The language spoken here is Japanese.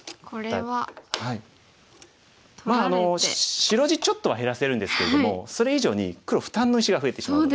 白地ちょっとは減らせるんですけれどもそれ以上に黒負担の石が増えてしまうので。